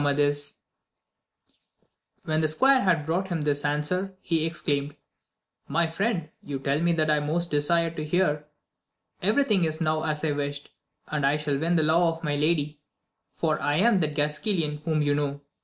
AMADIS OF GAUL, 181 When the squire had brought him this answer, he exclaimed, My friend, you tell me what I most desire to hear ; every thing is now as I wished, and 1 shall win the love of my lady, for I am that Gasquilan whom you know.